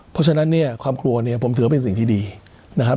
เพราะฉะนั้นเนี่ยความกลัวเนี่ยผมถือว่าเป็นสิ่งที่ดีนะครับ